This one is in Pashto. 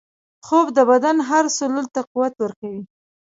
خوب د بدن هر سلول ته قوت ورکوي